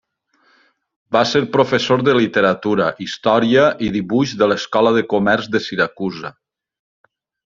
Va ser professor de literatura, història i dibuix de l'Escola de Comerç de Siracusa.